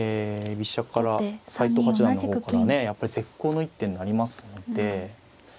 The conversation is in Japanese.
居飛車から斎藤八段の方からねやっぱり絶好の一手になりますので。